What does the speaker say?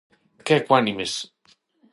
¡Que ecuánimes!